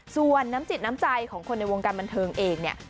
ส่วนน้ำจิตน้ำใจของคนในวงการบันเทิงเองเนี่ย